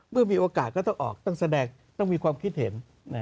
เมื่อมีโอกาสก็ต้องออกต้องแสดงต้องมีความคิดเห็น